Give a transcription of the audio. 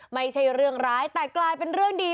ไม่ใช่เรื่องร้ายแต่กลายเป็นเรื่องดี